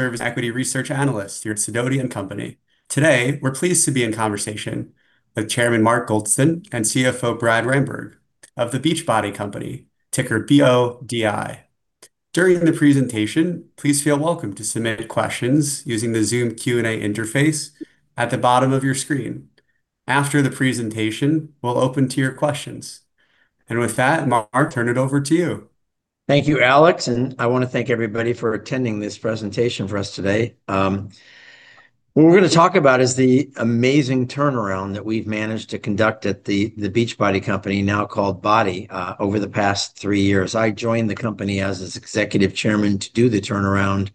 service equity research analyst here at Sidoti & Company. Today, we're pleased to be in conversation with Chairman Mark Goldston and CFO Brad Ramberg of The Beachbody Company, ticker BODi. During the presentation, please feel welcome to submit questions using the Zoom Q&A interface at the bottom of your screen. After the presentation, we'll open to your questions. With that, Mark, turn it over to you. Thank you, Alex. I want to thank everybody for attending this presentation for us today. What we're going to talk about is the amazing turnaround that we've managed to conduct at The Beachbody Company, now called BODi, over the past three years. I joined the company as its Executive Chairman to do the turnaround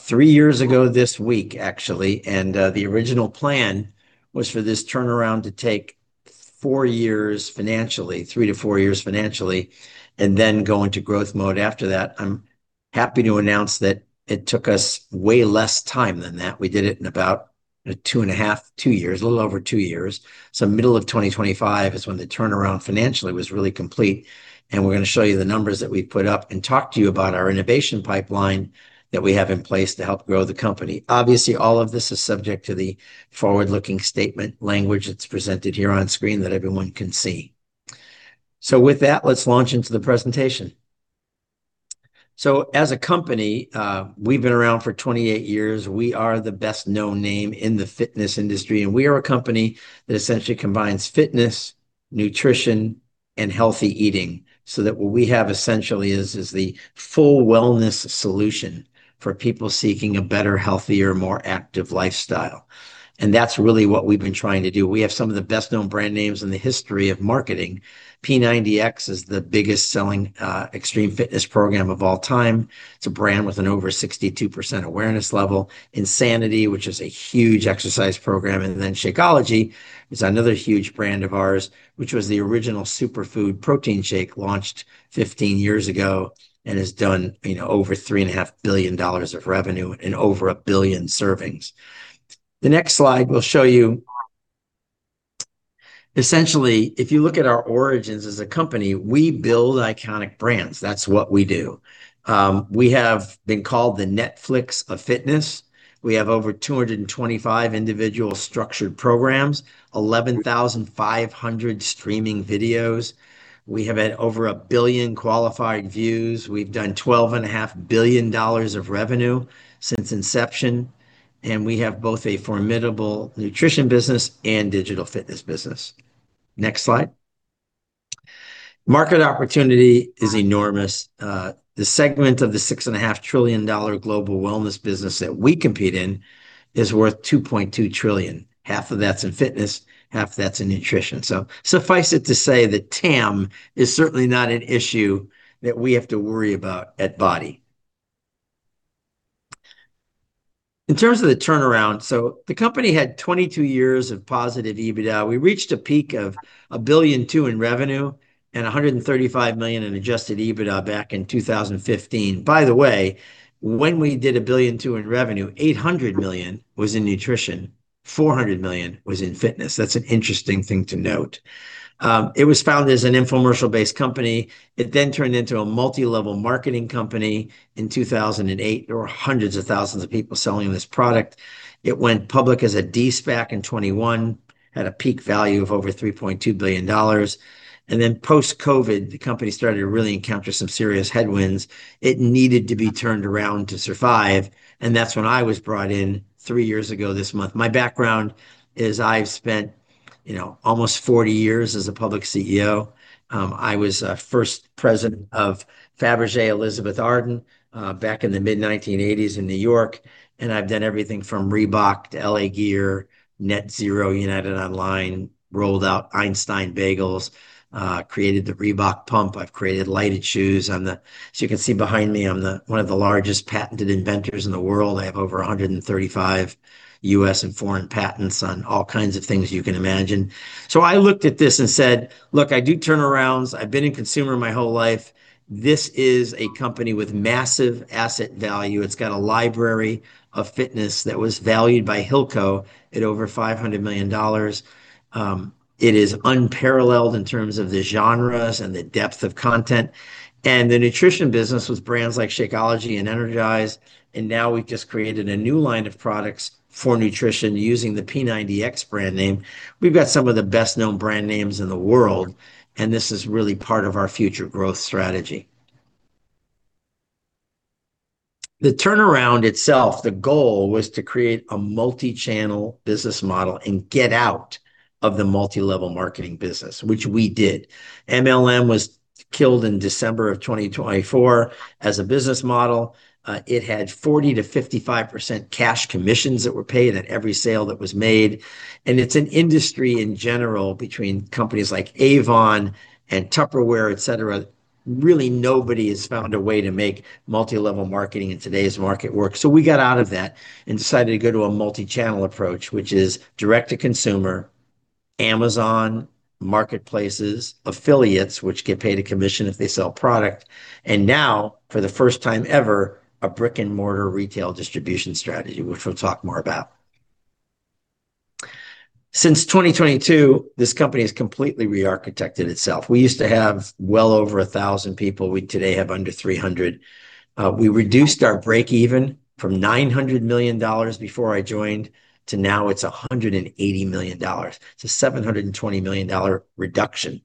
three years ago this week, actually. The original plan was for this turnaround to take four years financially, three to four years financially, and then go into growth mode after that. I'm happy to announce that it took us way less time than that. We did it in about two and a half, two years, a little over two years. Middle of 2025 is when the turnaround financially was really complete, and we're going to show you the numbers that we've put up and talk to you about our innovation pipeline that we have in place to help grow the company. Obviously, all of this is subject to the forward-looking statement language that's presented here on screen that everyone can see. With that, let's launch into the presentation. As a company, we've been around for 28 years. We are the best-known name in the fitness industry, and we are a company that essentially combines fitness, nutrition, and healthy eating, so that what we have essentially is the full wellness solution for people seeking a better, healthier, more active lifestyle. That's really what we've been trying to do. We have some of the best-known brand names in the history of marketing. P90X is the biggest-selling extreme fitness program of all time. It's a brand with an over 62% awareness level. INSANITY, which is a huge exercise program. Shakeology is another huge brand of ours, which was the original superfood protein shake launched 15 years ago and has done over $3.5 billion of revenue and over a billion servings. The next slide will show you essentially, if you look at our origins as a company, we build iconic brands. That's what we do. We have been called the Netflix of fitness. We have over 225 individual structured programs, 11,500 streaming videos. We have had over a billion qualified views. We've done $12.5 billion of revenue since inception, and we have both a formidable nutrition business and digital fitness business. Next slide. Market opportunity is enormous. The segment of the $6.5 trillion global wellness business that we compete in is worth $2.2 trillion. Half of that's in fitness, half that's in nutrition. Suffice it to say that TAM is certainly not an issue that we have to worry about at BODi. In terms of the turnaround, the company had 22 years of positive EBITDA. We reached a peak of $1.2 billion in revenue and $135 million in adjusted EBITDA back in 2015. By the way, when we did $1.2 billion in revenue, $800 million was in nutrition, $400 million was in fitness. That's an interesting thing to note. It was founded as an infomercial-based company. It turned into a multi-level marketing company in 2008. There were hundreds of thousands of people selling this product. It went public as a de-SPAC in 2021, had a peak value of over $3.2 billion. Post-COVID, the company started to really encounter some serious headwinds. It needed to be turned around to survive, that's when I was brought in three years ago this month. My background is I've spent almost 40 years as a public CEO. I was first president of Fabergé Elizabeth Arden back in the mid-1980s in New York. I've done everything from Reebok to L.A. Gear, NetZero, United Online, rolled out Einstein Bros. Bagels, created the Reebok Pump. I've created lighted shoes. As you can see behind me, I'm one of the largest patented inventors in the world. I have over 135 U.S. and foreign patents on all kinds of things you can imagine. I looked at this and said, "Look, I do turnarounds. I've been in consumer my whole life. This is a company with massive asset value." It's got a library of fitness that was valued by Hilco at over $500 million. It is unparalleled in terms of the genres and the depth of content. The nutrition business with brands like Shakeology and Energize, now we've just created a new line of products for nutrition using the P90X brand name. We've got some of the best-known brand names in the world, this is really part of our future growth strategy. The turnaround itself, the goal was to create a multi-channel business model and get out of the multi-level marketing business, which we did. MLM was killed in December of 2024 as a business model. It had 40%-55% cash commissions that were paid on every sale that was made, it's an industry in general between companies like Avon and Tupperware, et cetera. Really, nobody has found a way to make multi-level marketing in today's market work. We got out of that and decided to go to a multi-channel approach, which is direct-to-consumer, Amazon marketplaces, affiliates, which get paid a commission if they sell product, now, for the first time ever, a brick-and-mortar retail distribution strategy, which we'll talk more about Since 2022, this company has completely re-architected itself. We used to have well over 1,000 people. We today have under 300. We reduced our breakeven from $900 million before I joined to now it's $180 million. It's a $720 million reduction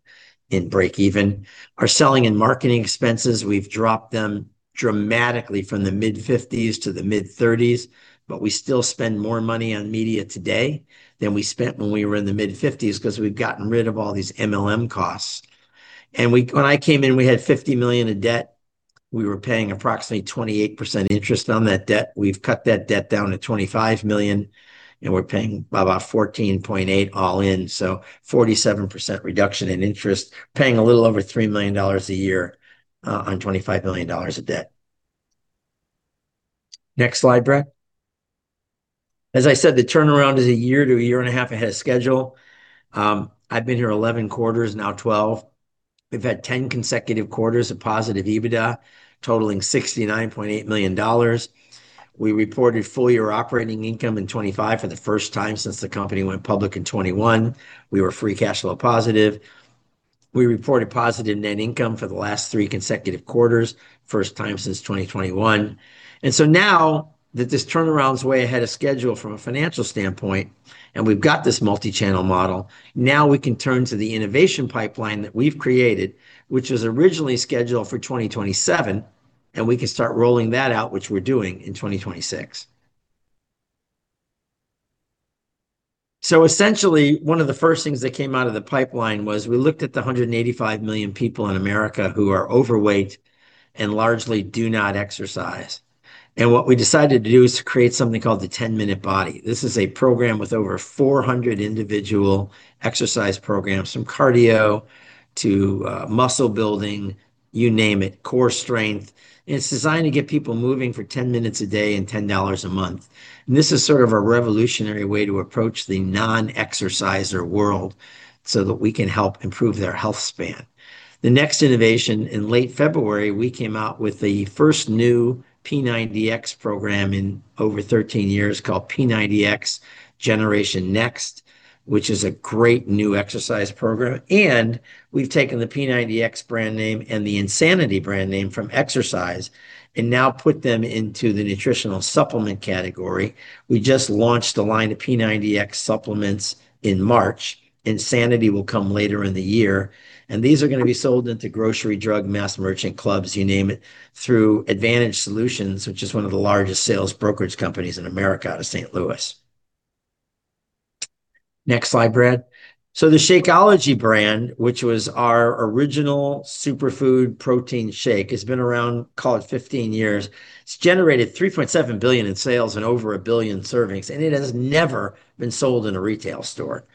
in breakeven. Our selling and marketing expenses, we've dropped them dramatically from the mid-50s to the mid-30s. We still spend more money on media today than we spent when we were in the mid-50s because we've gotten rid of all these MLM costs. When I came in, we had $50 million of debt. We were paying approximately 28% interest on that debt. We've cut that debt down to $25 million, and we're paying about 14.8% all in, so 47% reduction in interest, paying a little over $3 million a year on $25 million of debt. Next slide, Brad. As I said, the turnaround is a year to a year and a half ahead of schedule. I've been here 11 quarters, now 12. We've had 10 consecutive quarters of positive EBITDA, totaling $69.8 million. We reported full-year operating income in 2025 for the first time since the company went public in 2021. We were free cash flow positive. We reported positive net income for the last three consecutive quarters, first time since 2021. Now that this turnaround is way ahead of schedule from a financial standpoint, and we've got this multi-channel model, now we can turn to the innovation pipeline that we've created, which was originally scheduled for 2027, and we can start rolling that out, which we're doing in 2026. Essentially, one of the first things that came out of the pipeline was we looked at the 185 million people in America who are overweight and largely do not exercise. What we decided to do is to create something called the 10 Minute Body. This is a program with over 400 individual exercise programs, from cardio to muscle building, you name it, core strength. It is designed to get people moving for 10 minutes a day and $10 a month. This is sort of a revolutionary way to approach the non-exerciser world so that we can help improve their health span. The next innovation, in late February, we came out with the first new P90X program in over 13 years called P90X Generation Next, which is a great new exercise program. We've taken the P90X brand name and the INSANITY brand name from exercise and now put them into the nutritional supplement category. We just launched a line of P90X supplements in March. INSANITY will come later in the year. These are going to be sold into grocery, drug, mass merchant clubs, you name it, through Advantage Solutions, which is one of the largest sales brokerage companies in America, out of St. Louis. Next slide, Brad. The Shakeology brand, which was our original superfood protein shake, has been around, call it 15 years. It's generated $3.7 billion in sales and over a billion servings, and it has never been sold in a retail store.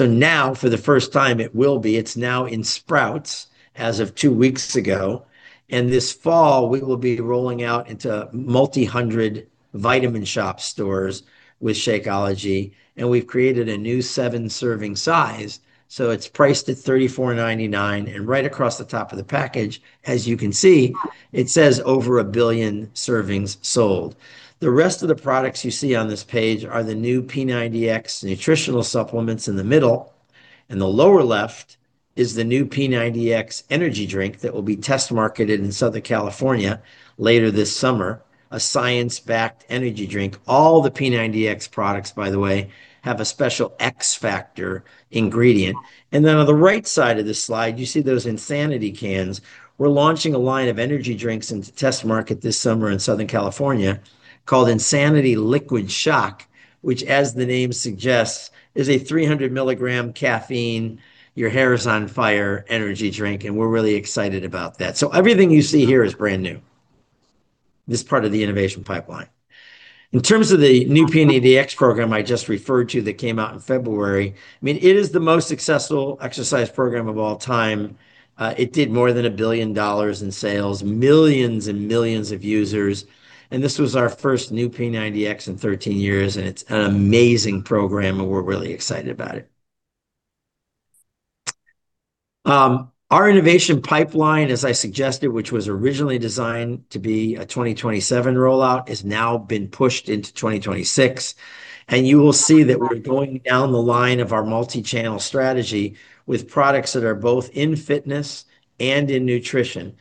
Now, for the first time, it will be. It's now in Sprouts as of two weeks ago. This fall, we will be rolling out into multi-hundred The Vitamin Shoppe stores with Shakeology, and we've created a new seven-serving size, so it's priced at $34.99. Right across the top of the package, as you can see, it says over a billion servings sold. The rest of the products you see on this page are the new P90X nutritional supplements in the middle. In the lower left is the new P90X energy drink that will be test marketed in Southern California later this summer, a science-backed energy drink. All the P90X products, by the way, have a special X factor ingredient. On the right side of this slide, you see those Insanity cans. We're launching a line of energy drinks into test market this summer in Southern California called Insanity Liquid Shock, which, as the name suggests, is a 300-milligram caffeine, your hair is on fire energy drink, and we're really excited about that. Everything you see here is brand new. This is part of the innovation pipeline. In terms of the new P90X program I just referred to that came out in February, it is the most successful exercise program of all time. It did more than $1 billion in sales, millions and millions of users, and this was our first new P90X in 13 years, and it's an amazing program, and we're really excited about it. Our innovation pipeline, as I suggested, which was originally designed to be a 2027 rollout, has now been pushed into 2026. You will see that we're going down the line of our multi-channel strategy with products that are both in fitness and in nutrition.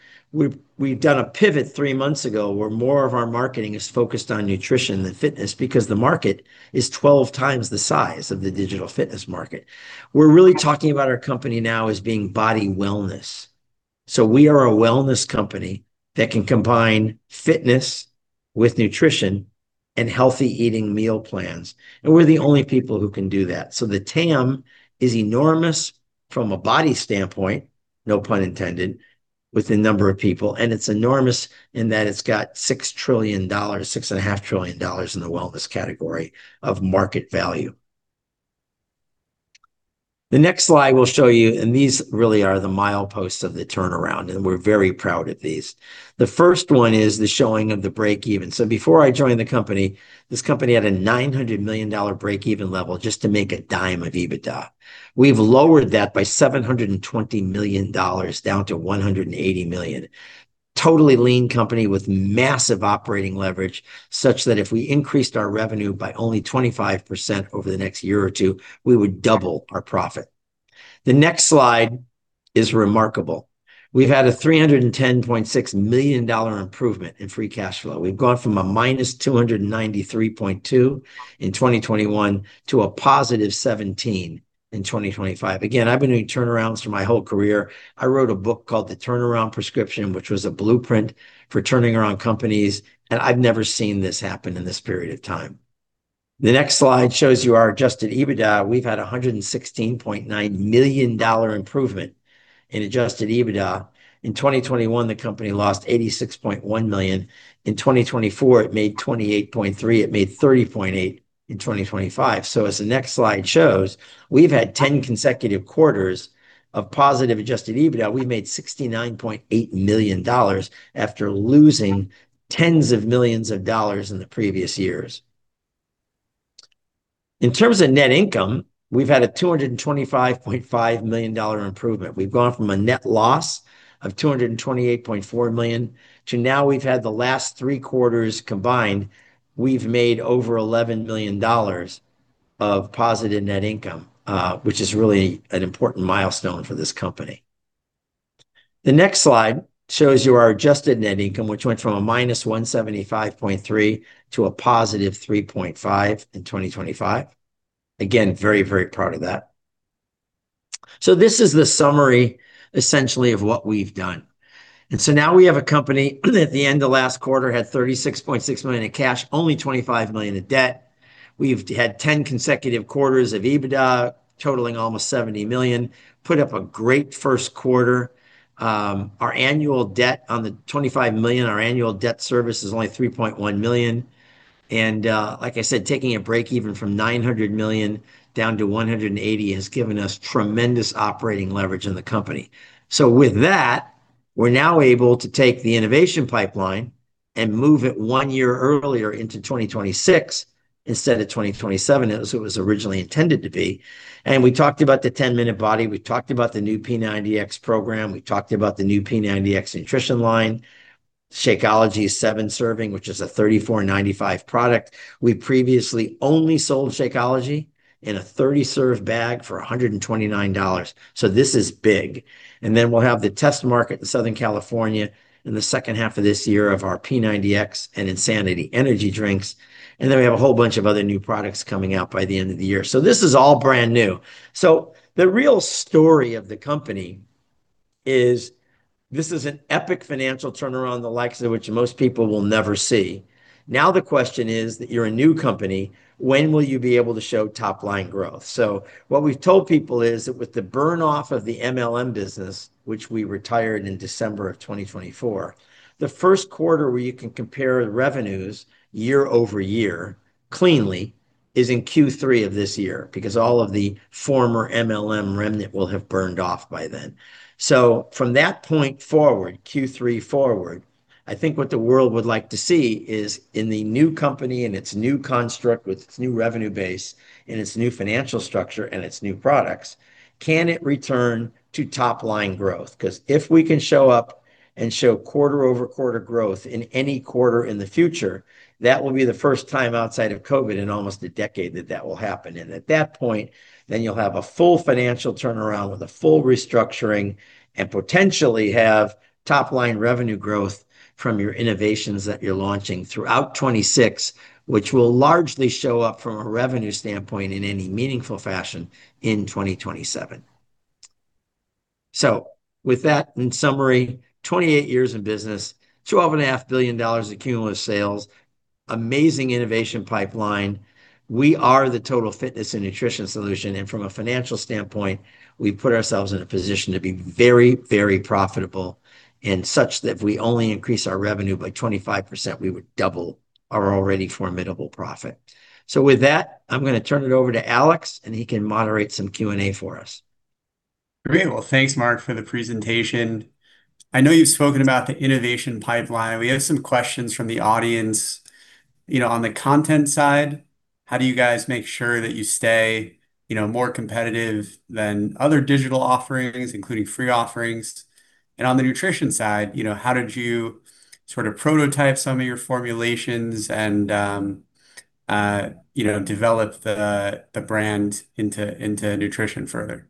We've done a pivot three months ago where more of our marketing is focused on nutrition than fitness because the market is 12 times the size of the digital fitness market. We're really talking about our company now as being body wellness. We are a wellness company that can combine fitness with nutrition and healthy eating meal plans, and we're the only people who can do that. The TAM is enormous from a body standpoint, no pun intended, with the number of people, and it's enormous in that it's got $6 trillion, $6.5 trillion in the wellness category of market value. The next slide will show you, these really are the mileposts of the turnaround, and we're very proud of these. The first one is the showing of the breakeven. Before I joined the company, this company had a $900 million breakeven level just to make a dime of EBITDA. We've lowered that by $720 million down to $180 million. Totally lean company with massive operating leverage, such that if we increased our revenue by only 25% over the next year or two, we would double our profit. The next slide is remarkable. We've had a $310.6 million improvement in free cash flow. We've gone from -$293.2 million in 2021 to a positive $17 million in 2025. Again, I've been doing turnarounds for my whole career. I wrote a book called "The Turnaround Prescription," which was a blueprint for turning around companies, I've never seen this happen in this period of time. The next slide shows you our adjusted EBITDA. We've had $116.9 million improvement in adjusted EBITDA. In 2021, the company lost -$86.1 million. In 2024, it made $28.3 million. It made $30.8 million in 2025. As the next slide shows, we've had 10 consecutive quarters of positive adjusted EBITDA. We made $69.8 million after losing tens of millions of dollars in the previous years. In terms of net income, we've had a $225.5 million improvement. We've gone from a net loss of -$228.4 million to now we've had the last three quarters combined, we've made over $11 million of positive net income, which is really an important milestone for this company. The next slide shows you our adjusted net income, which went from a minus $175.3 million to a positive $3.5 million in 2025. Again, very proud of that. This is the summary, essentially, of what we've done. Now we have a company that at the end of last quarter had $36.6 million in cash, only $25 million of debt. We've had 10 consecutive quarters of EBITDA totaling almost $70 million. Put up a great first quarter. Our annual debt on the $25 million, our annual debt service is only $3.1 million. Like I said, taking a breakeven from $900 million down to $180 million has given us tremendous operating leverage in the company. With that, we're now able to take the innovation pipeline and move it one year earlier into 2026 instead of 2027, as it was originally intended to be. We talked about the 10 Minute Body, we talked about the new P90X program, we talked about the new P90X nutrition line. Shakeology 7 serving, which is a $34.95 product. We previously only sold Shakeology in a 30-serve bag for $129, this is big. We'll have the test market in Southern California in the second half of this year of our P90X and Insanity energy drinks. We have a whole bunch of other new products coming out by the end of the year. This is all brand new. The real story of the company is this is an epic financial turnaround the likes of which most people will never see. The question is that you're a new company, when will you be able to show top-line growth? What we've told people is that with the burn-off of the MLM business, which we retired in December of 2024, the first quarter where you can compare revenues year-over-year cleanly is in Q3 of this year, because all of the former MLM remnant will have burned off by then. From that point forward, Q3 forward, I think what the world would like to see is in the new company, in its new construct with its new revenue base and its new financial structure and its new products, can it return to top-line growth? Because if we can show up and show quarter-over-quarter growth in any quarter in the future, that will be the first time outside of COVID in almost a decade that that will happen. At that point, then you'll have a full financial turnaround with a full restructuring and potentially have top-line revenue growth from your innovations that you're launching throughout 2026, which will largely show up from a revenue standpoint in any meaningful fashion in 2027. With that, in summary, 28 years in business, $12.5 billion of cumulative sales, amazing innovation pipeline. We are the total fitness and nutrition solution. From a financial standpoint, we've put ourselves in a position to be very profitable and such that if we only increase our revenue by 25%, we would double our already formidable profit. With that, I'm going to turn it over to Alex, and he can moderate some Q&A for us. Great. Thanks, Mark, for the presentation. I know you've spoken about the innovation pipeline. We have some questions from the audience. On the content side, how do you guys make sure that you stay more competitive than other digital offerings, including free offerings? On the nutrition side, how did you sort of prototype some of your formulations and develop the brand into nutrition further?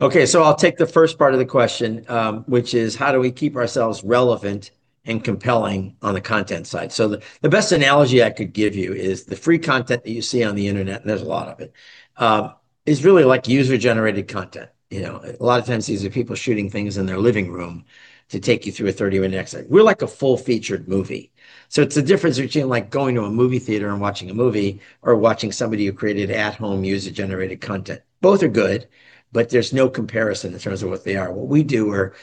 I'll take the first part of the question, which is how do we keep ourselves relevant and compelling on the content side? The best analogy I could give you is the free content that you see on the Internet, and there's a lot of it, is really user-generated content. A lot of times, these are people shooting things in their living room to take you through a 30-minute exercise. We're like a full-featured movie. It's the difference between going to a movie theater and watching a movie or watching somebody who created at-home user-generated content. Both are good, there's no comparison in terms of what they are. What we do are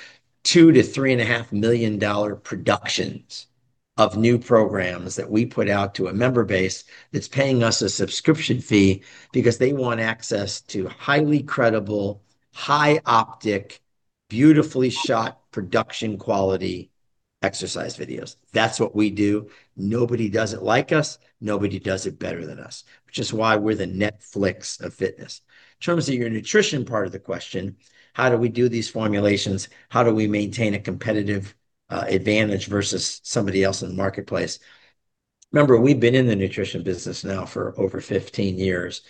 $2 million-$3.5 million productions of new programs that we put out to a member base that's paying us a subscription fee because they want access to highly credible, high optic, beautifully shot, production quality exercise videos. That's what we do. Nobody does it like us, nobody does it better than us, which is why we're the Netflix of fitness. In terms of your nutrition part of the question, how do we do these formulations? How do we maintain a competitive advantage versus somebody else in the marketplace? Remember, we've been in the nutrition business now for over 15 years,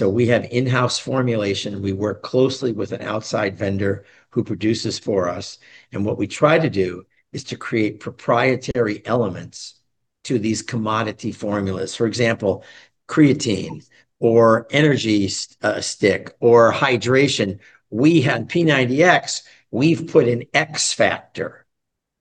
we have in-house formulation. We work closely with an outside vendor who produces for us, what we try to do is to create proprietary elements to these commodity formulas. For example, creatine or Energize or hydration. We had P90X. We've put an X factor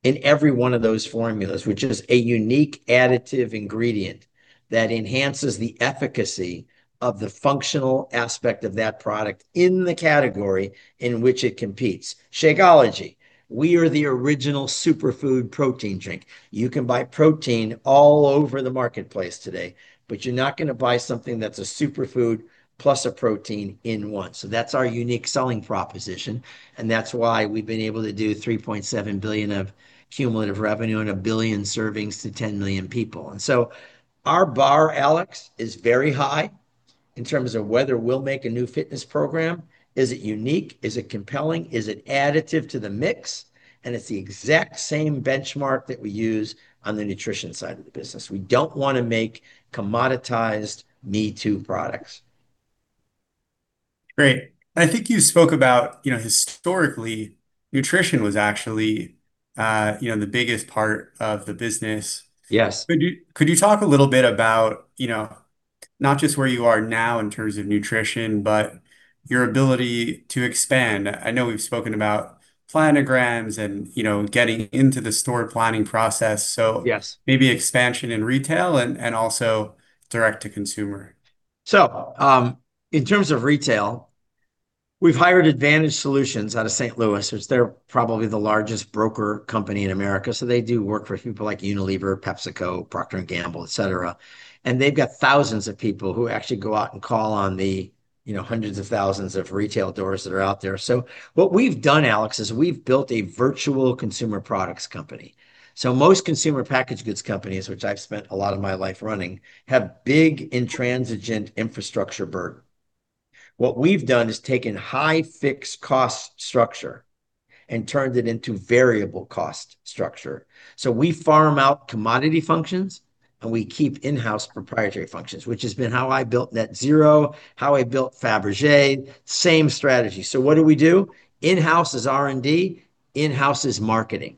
in every one of those formulas, which is a unique additive ingredient that enhances the efficacy of the functional aspect of that product in the category in which it competes. Shakeology, we are the original superfood protein drink. You can buy protein all over the marketplace today, you're not going to buy something that's a superfood plus a protein in one. That's our unique selling proposition, that's why we've been able to do $3.7 billion of cumulative revenue on a billion servings to 10 million people. Our bar, Alex, is very high in terms of whether we'll make a new fitness program. Is it unique? Is it compelling? Is it additive to the mix? It's the exact same benchmark that we use on the nutrition side of the business. We don't want to make commoditized me-too products. Great. I think you spoke about historically, nutrition was actually the biggest part of the business. Yes. Could you talk a little bit about not just where you are now in terms of nutrition, but your ability to expand? I know we've spoken about planograms and getting into the store planning process. Yes maybe expansion in retail and also direct to consumer. In terms of retail, we've hired Advantage Solutions out of St. Louis. They're probably the largest broker company in America, so they do work for people like Unilever, PepsiCo, Procter & Gamble, et cetera. They've got thousands of people who actually go out and call on the hundreds of thousands of retail doors that are out there. What we've done, Alex, is we've built a virtual consumer products company. Most consumer packaged goods companies, which I've spent a lot of my life running, have big, intransigent infrastructure burden. What we've done is taken high fixed cost structure and turned it into variable cost structure. We farm out commodity functions, and we keep in-house proprietary functions, which has been how I built NetZero, how I built Fabergé, same strategy. What do we do? In-house is R&D. In-house is marketing.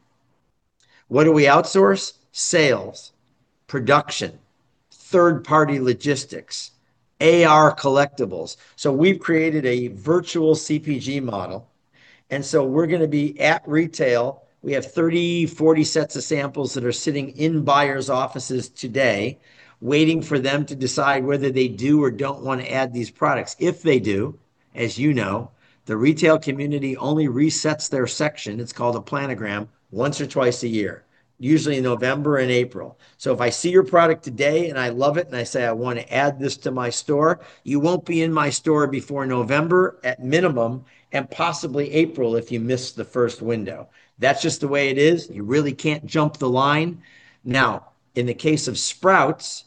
What do we outsource? Sales, production, third-party logistics, AR collectibles. We've created a virtual CPG model, we're going to be at retail. We have 30, 40 sets of samples that are sitting in buyers' offices today, waiting for them to decide whether they do or don't want to add these products. If they do, as you know, the retail community only resets their section, it's called a planogram, once or twice a year, usually in November and April. If I see your product today and I love it, and I say, "I want to add this to my store," you won't be in my store before November, at minimum, and possibly April if you miss the first window. That's just the way it is. You really can't jump the line. In the case of Sprouts,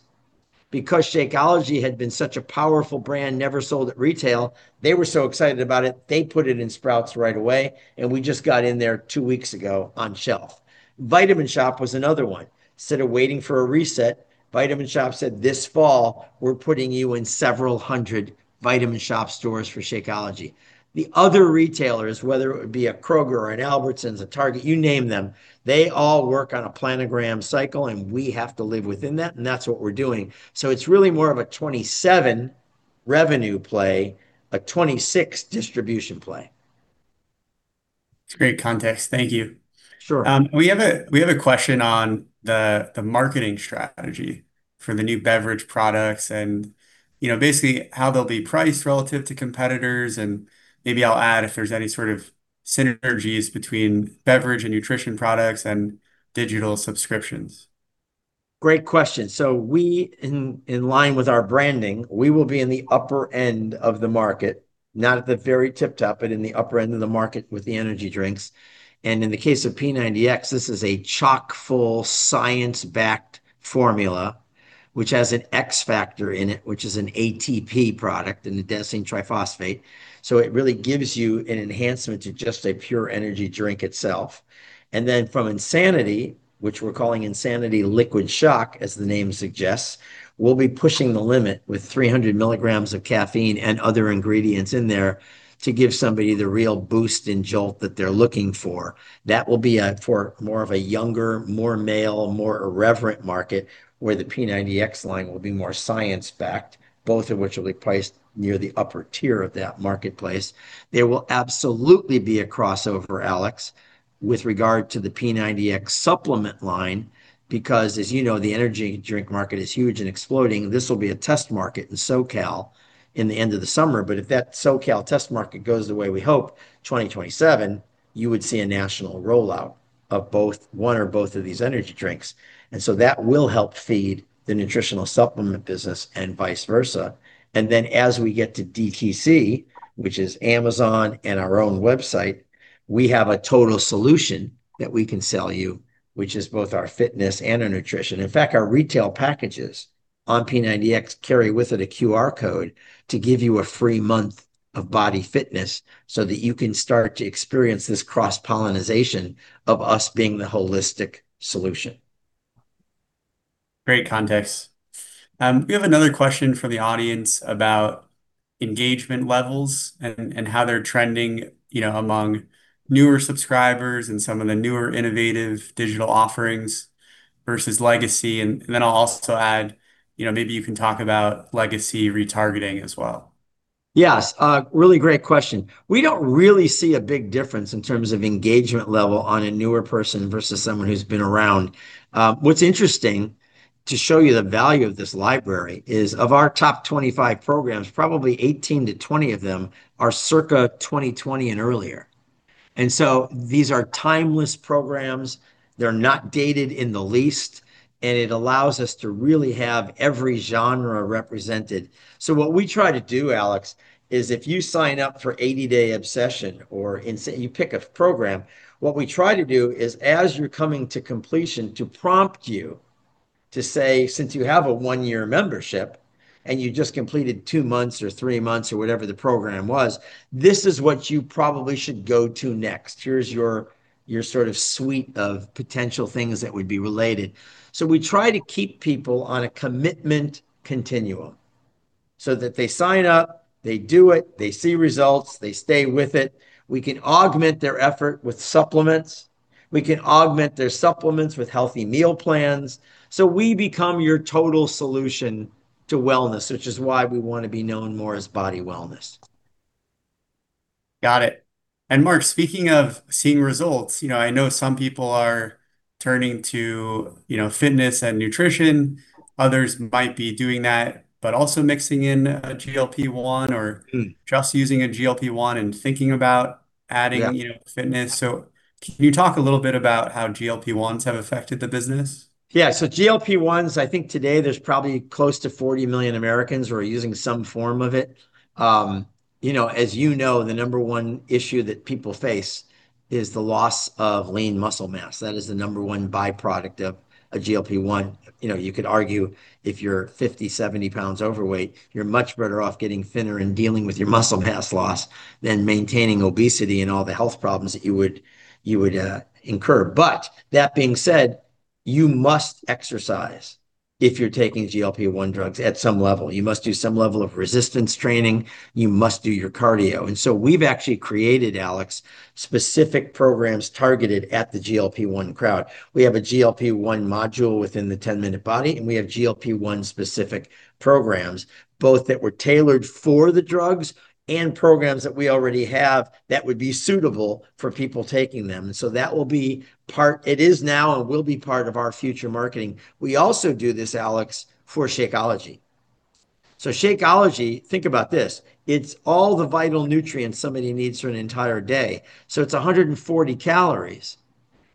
because Shakeology had been such a powerful brand never sold at retail, they were so excited about it, they put it in Sprouts right away, and we just got in there two weeks ago on shelf. Vitamin Shoppe was another one. Instead of waiting for a reset, Vitamin Shoppe said, "This fall, we're putting you in several hundred Vitamin Shoppe stores for Shakeology." The other retailers, whether it would be a Kroger or an Albertsons, a Target, you name them, they all work on a planogram cycle, and we have to live within that, and that's what we're doing. It's really more of a 2027 revenue play, a 2026 distribution play. It's great context. Thank you. Sure. We have a question on the marketing strategy for the new beverage products and basically how they'll be priced relative to competitors, and maybe I'll add if there's any sort of synergies between beverage and nutrition products and digital subscriptions. Great question. We, in line with our branding, will be in the upper end of the market, not at the very tip-top, but in the upper end of the market with the energy drinks. In the case of P90X, this is a chock-full, science-backed formula, which has an X factor in it, which is an ATP product, an adenosine triphosphate. It really gives you an enhancement to just a pure energy drink itself. From INSANITY, which we're calling Insanity Liquid Shock, as the name suggests, we will be pushing the limit with 300 mg of caffeine and other ingredients in there to give somebody the real boost and jolt that they're looking for. That will be for more of a younger, more male, more irreverent market, where the P90X line will be more science-backed, both of which will be priced near the upper tier of that marketplace. There will absolutely be a crossover, Alex, with regard to the P90X supplement line because, as you know, the energy drink market is huge and exploding. This will be a test market in SoCal in the end of the summer, but if that SoCal test market goes the way we hope, 2027, you would see a national rollout of one or both of these energy drinks. That will help feed the nutritional supplement business and vice versa. As we get to DTC, which is Amazon and our own website, we have a total solution that we can sell you, which is both our fitness and our nutrition. In fact, our retail packages on P90X carry with it a QR code to give you a free month of BODi Fitness so that you can start to experience this cross-pollinization of us being the holistic solution. Great context. We have another question from the audience about engagement levels and how they're trending among newer subscribers and some of the newer innovative digital offerings versus legacy. I'll also add, maybe you can talk about legacy retargeting as well. Yes, really great question. We don't really see a big difference in terms of engagement level on a newer person versus someone who's been around. What's interesting, to show you the value of this library, is of our top 25 programs, probably 18 - 20 of them are circa 2020 and earlier. These are timeless programs. They're not dated in the least, and it allows us to really have every genre represented. What we try to do, Alex, is if you sign up for 80 Day Obsession or you pick a program, what we try to do is, as you're coming to completion, to prompt you to say, "Since you have a one-year membership and you just completed two months or three months," or whatever the program was, "this is what you probably should go to next. Here's your sort of suite of potential things that would be related." We try to keep people on a commitment continuum so that they sign up, they do it, they see results, they stay with it. We can augment their effort with supplements. We can augment their supplements with healthy meal plans. We become your total solution to wellness, which is why we want to be known more as BODi Wellness. Got it. Mark, speaking of seeing results, I know some people are turning to fitness and nutrition. Others might be doing that, but also mixing in a GLP-1 or just using a GLP-1 and thinking about adding- Yeah fitness. Can you talk a little bit about how GLP-1s have affected the business? GLP-1s, I think today there's probably close to 40 million Americans who are using some form of it. As you know, the number one issue that people face is the loss of lean muscle mass. That is the number one byproduct of a GLP-1. You could argue if you're 50, 70 pounds overweight, you're much better off getting thinner and dealing with your muscle mass loss than maintaining obesity and all the health problems that you would incur. That being said, you must exercise if you're taking GLP-1 drugs at some level. You must do some level of resistance training. You must do your cardio. We've actually created, Alex, specific programs targeted at the GLP-1 crowd. We have a GLP-1 module within the 10 Minute Body. We have GLP-1 specific programs, both that were tailored for the drugs and programs that we already have that would be suitable for people taking them. That will be part, it is now and will be part of our future marketing. We also do this, Alex, for Shakeology. Shakeology, think about this, it's all the vital nutrients somebody needs for an entire day. It's 140 calories,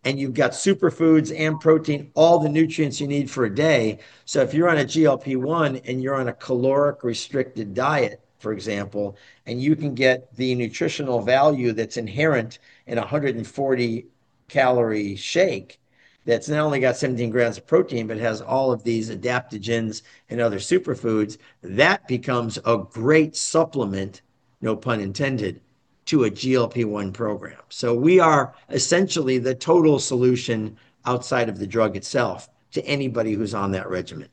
you've got superfoods and protein, all the nutrients you need for a day. If you're on a GLP-1 and you're on a caloric restricted diet, for example, you can get the nutritional value that's inherent in 140-calorie shake that's not only got 17 g of protein, but has all of these adaptogens and other superfoods, that becomes a great supplement, no pun intended, to a GLP-1 program. We are essentially the total solution outside of the drug itself to anybody who's on that regimen.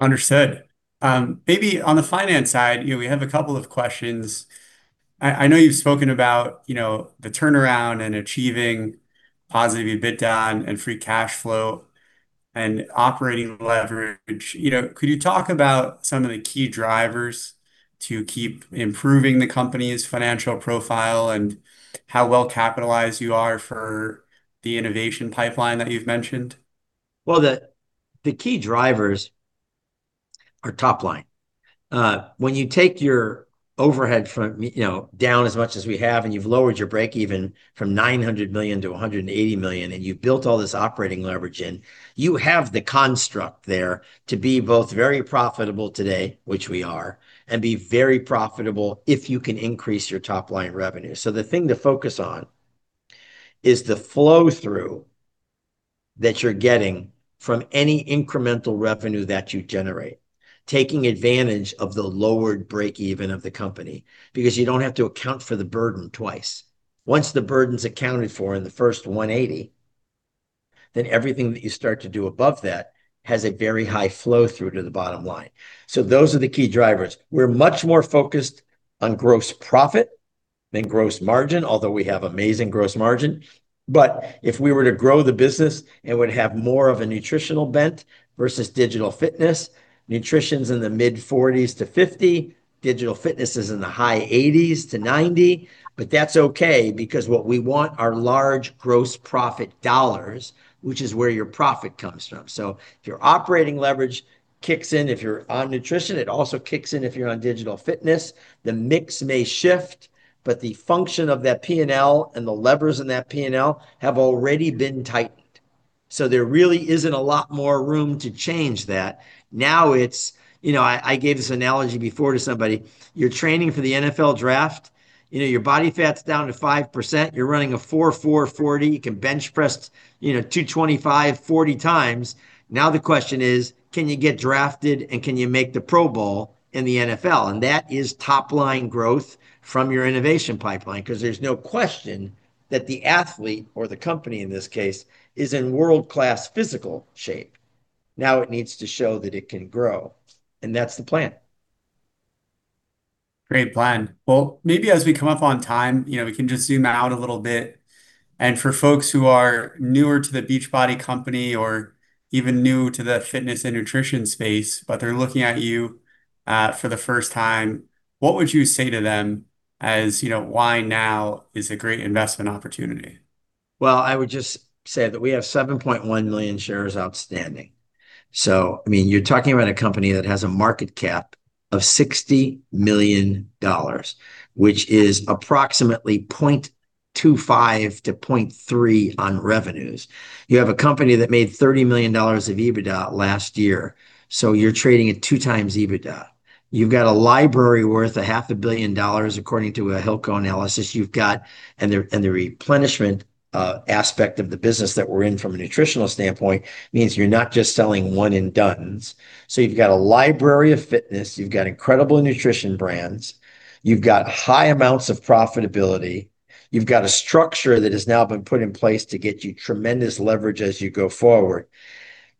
Understood. Maybe on the finance side, we have a couple of questions. I know you've spoken about the turnaround and achieving positive EBITDA and free cash flow and operating leverage. Could you talk about some of the key drivers to keep improving the company's financial profile and how well-capitalized you are for the innovation pipeline that you've mentioned? The key drivers are top line. When you take your overhead down as much as we have, and you've lowered your break even from $900 million to $180 million, and you've built all this operating leverage in, you have the construct there to be both very profitable today, which we are, and be very profitable if you can increase your top-line revenue. The thing to focus on is the flow-through that you're getting from any incremental revenue that you generate, taking advantage of the lowered break even of the company, because you don't have to account for the burden twice. Once the burden's accounted for in the first $180, everything that you start to do above that has a very high flow-through to the bottom line. Those are the key drivers. We're much more focused on gross profit than gross margin, although we have amazing gross margin. If we were to grow the business, it would have more of a nutritional bent versus digital fitness. Nutrition's in the mid-40s-50%. Digital fitness is in the high 80s-90%, that's okay because what we want are large gross profit dollars, which is where your profit comes from. Your operating leverage kicks in if you're on nutrition. It also kicks in if you're on digital fitness. The mix may shift, the function of that P&L and the levers in that P&L have already been tightened. There really isn't a lot more room to change that. I gave this analogy before to somebody. You're training for the NFL draft, your body fat's down to 5%, you're running a 4.4 40, you can bench press 225 40x. The question is, can you get drafted and can you make the Pro Bowl in the NFL? That is top-line growth from your innovation pipeline, because there's no question that the athlete, or the company in this case, is in world-class physical shape. It needs to show that it can grow, that's the plan. Great plan. Maybe as we come up on time, we can just zoom out a little bit. For folks who are newer to The Beachbody Company or even new to the fitness and nutrition space, but they're looking at you for the first time, what would you say to them as why now is a great investment opportunity? Well, I would just say that we have 7.1 million shares outstanding. You're talking about a company that has a market cap of $60 million, which is approximately 0.25 to 0.3 on revenues. You have a company that made $30 million of EBITDA last year, you're trading at two times EBITDA. You've got a library worth a half a billion dollars, according to a Hilco analysis. You've got, the replenishment aspect of the business that we're in from a nutritional standpoint means you're not just selling one-and-done's. You've got a library of fitness. You've got incredible nutrition brands. You've got high amounts of profitability. You've got a structure that has now been put in place to get you tremendous leverage as you go forward.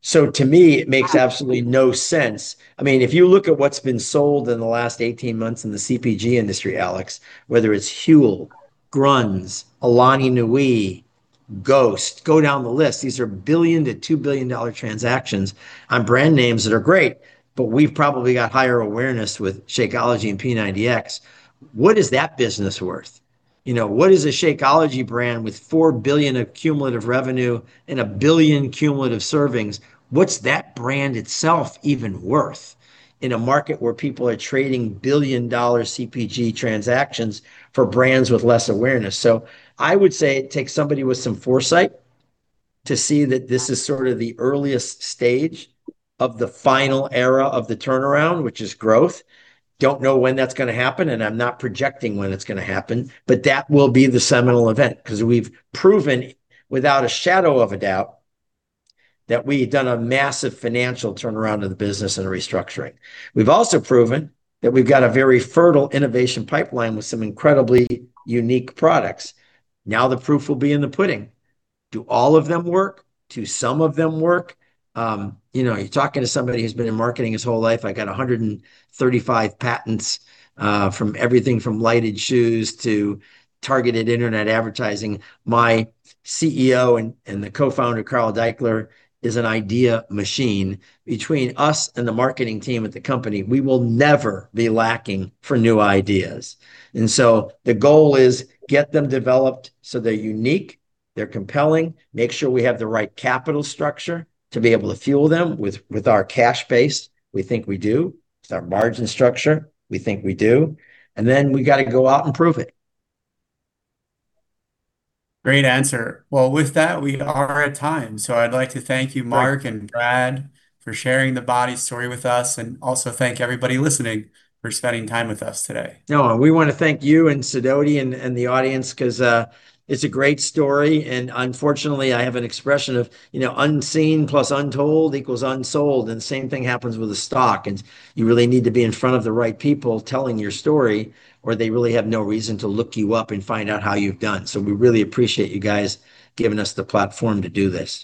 To me, it makes absolutely no sense. If you look at what's been sold in the last 18 months in the CPG industry, Alex, whether it's Huel, Grüns, Alani Nu, Ghost, go down the list, these are billion to $2 billion transactions on brand names that are great, but we've probably got higher awareness with Shakeology and P90X. What is that business worth? What is a Shakeology brand with $4 billion of cumulative revenue and $1 billion cumulative servings, what's that brand itself even worth in a market where people are trading billion-dollar CPG transactions for brands with less awareness? I would say it takes somebody with some foresight to see that this is sort of the earliest stage of the final era of the turnaround, which is growth. Don't know when that's going to happen, and I'm not projecting when it's going to happen, but that will be the seminal event because we've proven without a shadow of a doubt that we've done a massive financial turnaround of the business and a restructuring. We've also proven that we've got a very fertile innovation pipeline with some incredibly unique products. Now the proof will be in the pudding. Do all of them work? Do some of them work? You're talking to somebody who's been in marketing his whole life. I got 135 patents from everything from lighted shoes to targeted internet advertising. My CEO and the Co-Founder, Carl Daikeler, is an idea machine. Between us and the marketing team at the company, we will never be lacking for new ideas. The goal is get them developed so they're unique, they're compelling. Make sure we have the right capital structure to be able to fuel them with our cash base. We think we do. With our margin structure, we think we do. Then we got to go out and prove it. Great answer. Well, with that, we are at time. I'd like to thank you, Mark and Brad, Great for sharing the BODi story with us, also thank everybody listening for spending time with us today. No, we want to thank you and Sidoti and the audience because it's a great story, and unfortunately, I have an expression of unseen plus untold equals unsold, and the same thing happens with a stock, and you really need to be in front of the right people telling your story, or they really have no reason to look you up and find out how you've done. We really appreciate you guys giving us the platform to do this.